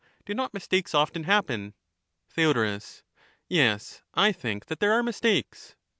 do not mistakes often happen ? Theod, Yes, I think that there are mistakes.